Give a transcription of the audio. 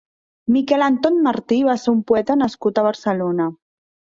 Miquel Anton Martí va ser un poeta nascut a Barcelona.